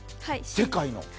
世界の。